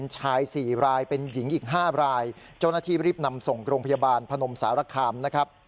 เจ้าหน้าที่รีบนำส่งโรงพยาบาลพนมสารคำนะครับ